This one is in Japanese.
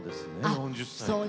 ４０歳から。